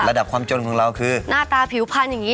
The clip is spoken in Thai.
ระดับความจนของเราคือหน้าตาผิวพันธุ์อย่างนี้